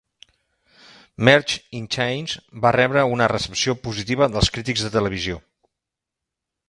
"Marge in Chains" va rebre una recepció positiva dels crítics de televisió.